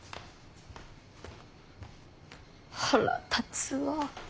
腹立つわぁ。